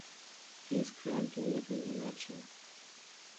He is currently living in Eger.